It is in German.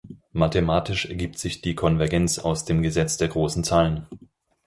Mathematisch ergibt sich die Konvergenz aus dem Gesetz der großen Zahlen.